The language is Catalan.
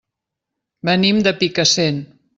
Venim de Picassent.